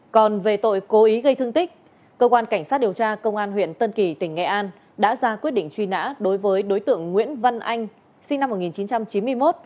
còn về tội cố ý gây thương tích cơ quan cảnh sát điều tra công an huyện tân kỳ tỉnh nghệ an đã ra quyết định truy nã đối với đối tượng nguyễn văn anh sinh năm một nghìn chín trăm chín mươi một